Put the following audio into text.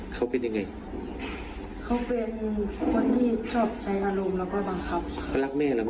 ก็รักค่ะ